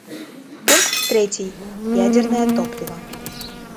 Пункт третий: ядерное топливо.